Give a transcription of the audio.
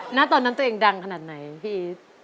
หน้าตอนนั้นตัวเองดังขนาดไหนพี่อีท